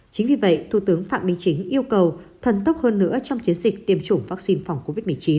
chính vì vậy thủ tướng phạm minh chính yêu cầu thần tốc hơn nữa trong chiến dịch tiêm chủng vaccine phòng covid một mươi chín